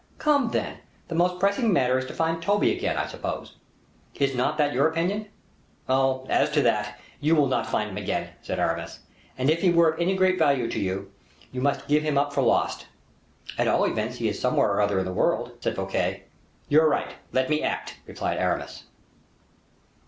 "Come, then, the most pressing matter is to find Toby again, I suppose. Is not that your opinion?" "Oh! as for that, you will not find him again," said Aramis, "and if he were of any great value to you, you must give him up for lost." "At all events he is somewhere or another in the world," said Fouquet. "You're right, let me act," replied Aramis.